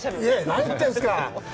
何を言ってるんですか。